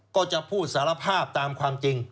ก็จะพูดสารภาพตามความจริง